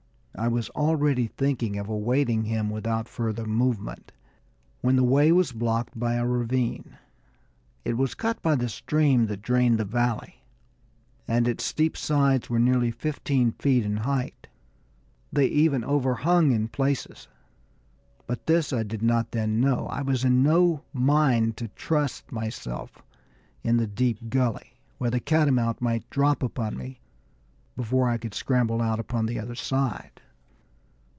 I was already thinking of awaiting him without further movement, when the way was blocked by a ravine. It was cut by the stream that drained the valley, and its steep sides were nearly fifteen feet in height. They even overhung in places, but this I did not then know. I was in no mind to trust myself in the deep gully, where the catamount might drop upon me before I could scramble out upon the other side.